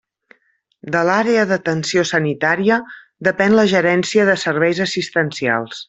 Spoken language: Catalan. De l'Àrea d'Atenció Sanitària depèn la Gerència de Serveis Assistencials.